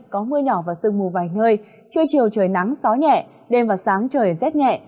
có mưa nhỏ và sương mù vài nơi trưa chiều trời nắng gió nhẹ đêm và sáng trời rét nhẹ